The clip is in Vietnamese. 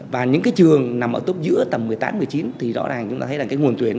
và những cái trường nằm ở tốt giữa tầm một mươi tám một mươi chín thì rõ ràng chúng ta thấy là cái nguồn tuyển